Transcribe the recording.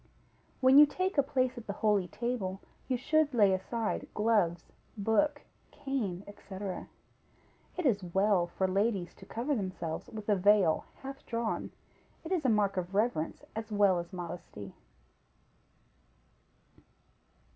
When you take a place at the holy table, you should lay aside gloves, book, cane, &c. It is well for ladies to cover themselves with a veil half drawn; it is a mark of reverence as well as modesty.